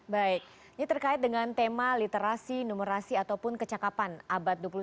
baik ini terkait dengan tema literasi numerasi ataupun kecakapan abad dua puluh satu